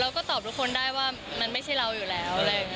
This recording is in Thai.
ก็ตอบทุกคนได้ว่ามันไม่ใช่เราอยู่แล้ว